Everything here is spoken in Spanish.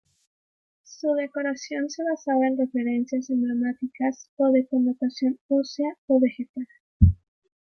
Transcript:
Su decoración se basaba en referencias emblemáticas o de connotación ósea o vegetal.